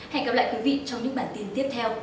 hẹn gặp lại quý vị trong những bản tin tiếp theo